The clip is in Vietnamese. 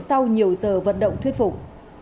sau nhiều giờ vận động thuyết phục